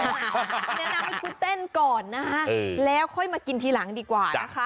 หนังไม่คุณเต้นก่อนนะฮะเออแล้วค่อยมากินทีหลังดีกว่านะคะ